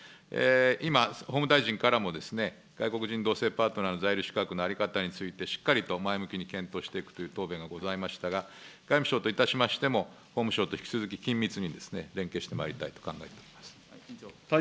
今、法務大臣からも、外国人同性パートナーの在留資格の在り方について、しっかりと前向きに検討していくという答弁がございましたが、外務省といたしましても、法務省と引き続き緊密にですね、連携してまいりたいと考えております。